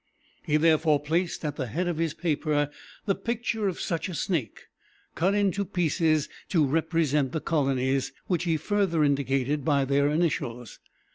He therefore placed at the head of his paper the picture of such a snake, cut into pieces to represent the colonies, which he further indicated by their initials.